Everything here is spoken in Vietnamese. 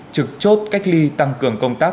trực chốt cách ly tăng cường công tác